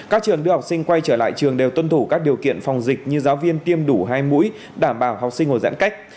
các trường đưa học sinh quay trở lại trường đều tuân thủ các điều kiện phòng dịch như giáo viên tiêm đủ hai mũi đảm bảo học sinh ngồi giãn cách